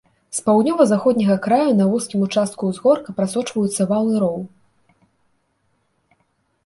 З паўднёва-заходняга краю на вузкім участку ўзгорка прасочваюцца вал і роў.